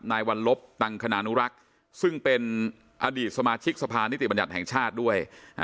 นายวัลลบตังคณานุรักษ์ซึ่งเป็นอดีตสมาชิกสภานิติบัญญัติแห่งชาติด้วย